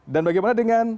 dan bagaimana dengan